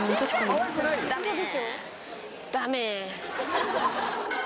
ダメ！